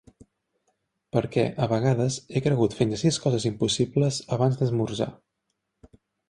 Per què, a vegades he cregut fins a sis coses impossibles abans d'esmorzar.